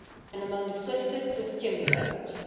And among the swiftest was Jimmy Rabbit.